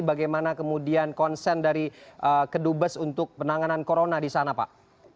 bagaimana kemudian konsen dari kedubes untuk penanganan corona di sana pak